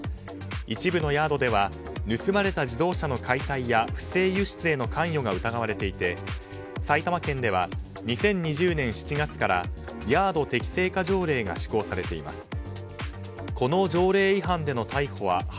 一部のヤードでは盗まれた自動車の解体や不正輸出への関与が疑われていて埼玉県では２０２０年７月からヤード適正化条例が施行されています。